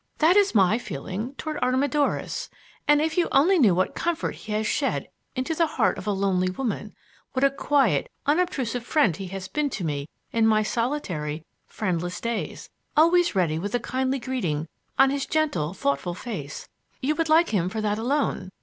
That is my feeling toward Artemidorus, and if you only knew what comfort he has shed into the heart of a lonely woman; what a quiet, unobtrusive friend he has been to me in my solitary, friendless days, always ready with a kindly greeting on his gentle, thoughtful face, you would like him for that alone.